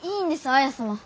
綾様。